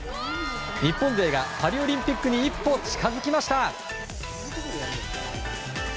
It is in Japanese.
日本勢がパリオリンピックに１歩、近づきました。